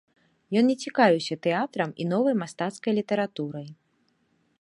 Ён не цікавіўся тэатрам і новай мастацкай літаратурай.